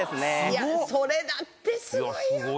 いやそれだってすごいよ。